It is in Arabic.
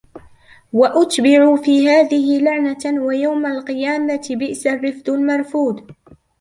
وَأُتْبِعُوا فِي هَذِهِ لَعْنَةً وَيَوْمَ الْقِيَامَةِ بِئْسَ الرِّفْدُ الْمَرْفُودُ